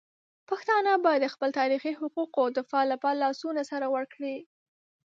پښتانه باید د خپل تاریخي حقونو دفاع لپاره لاسونه سره ورکړي.